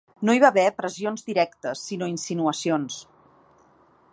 No hi va haver pressions directes sinó insinuacions.